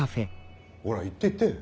ほら行って行って。